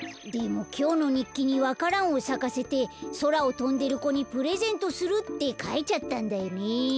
でもきょうのにっきにわか蘭をさかせてそらをとんでる子にプレゼントするってかいちゃったんだよね。